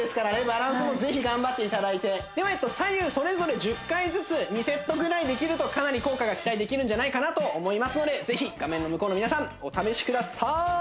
バランスもぜひ頑張っていただいてでは左右それぞれ１０回ずつ２セットぐらいできるとかなり効果が期待できるんじゃないかなと思いますのでぜひ画面の向こうの皆さんお試しください！